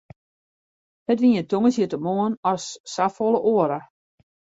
It wie in tongersdeitemoarn as safolle oare.